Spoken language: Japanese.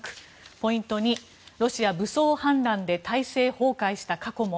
ポイント２、ロシア、武装反乱で体制崩壊した過去も。